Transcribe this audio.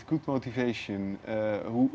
dengan motivasi yang baik